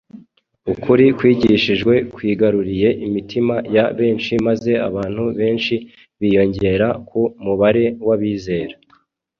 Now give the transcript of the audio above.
Ukuri kwigishijwe kwigaruriye imitima ya benshi maze abantu benshi biyongera ku mubare w’abizera.